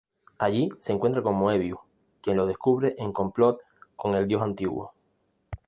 Allí se encuentra con Moebius, quien lo descubre en complot con el Dios Antiguo.